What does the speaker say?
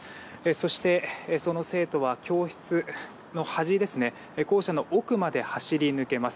そして、その生徒は教室の端校舎の奥まで走り抜けます。